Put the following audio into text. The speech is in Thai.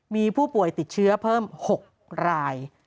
มีผู้ป่วยติดเชื้อเพิ่ม๖ราย